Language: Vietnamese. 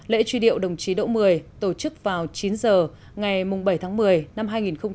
lễ truy điệu đồng chí đỗ mười tổ chức vào chín h ngày bảy tháng một mươi năm hai nghìn một mươi chín